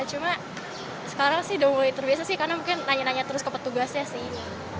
cuma sekarang sih udah mulai terbiasa sih karena mungkin nanya nanya terus ke petugasnya sih